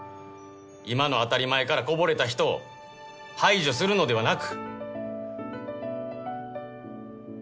今の「当たり前」からこぼれた人を排除するのではなく。